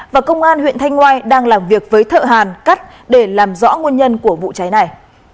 và công an huyện thanh ngoai đang làm việc với thợ hàn cắt để làm rõ nguồn nhân của vụ cháy này